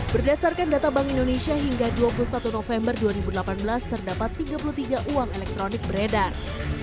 berdasarkan data bank indonesia hingga dua puluh satu november dua ribu delapan belas terdapat tiga puluh tiga uang elektronik beredar